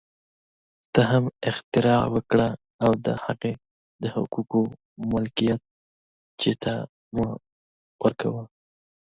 ته هم اختراع وکړه او د هغې د حقوقو ملکیت چا ته مه ورکوه